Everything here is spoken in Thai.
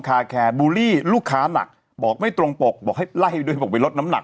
แคร์บูลลี่ลูกค้าหนักบอกไม่ตรงปกบอกให้ไล่ด้วยบอกไปลดน้ำหนัก